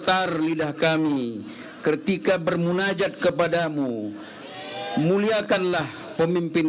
silakan pak kiai